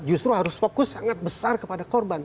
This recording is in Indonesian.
justru harus fokus sangat besar kepada korban